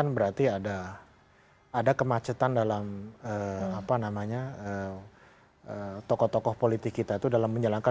kan berarti ada ada kemacetan dalam apa namanya tokoh tokoh politik kita itu dalam menjalankan